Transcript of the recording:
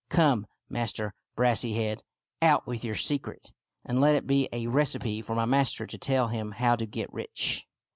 Come, Master Brassy head, out with your secret ! And let it be a recipe for my master to tell him how to get rich."